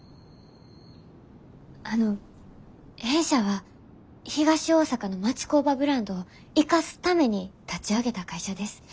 あの弊社は東大阪の町工場ブランドを生かすために立ち上げた会社です。